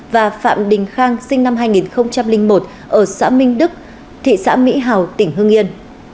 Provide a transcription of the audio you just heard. và phạm đình khang sinh năm hai nghìn một ở xã minh đức thị xã mỹ hào tỉnh hương yên